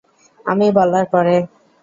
আমি বলার পরে।